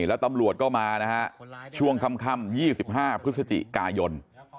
แล้วตำรวจก็มานะฮะช่วงค่ำ๒๕พฤศจิกายน